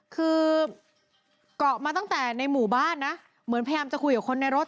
คือเกาะมาตั้งแต่ในหมู่บ้านนะเหมือนพยายามจะคุยกับคนในรถ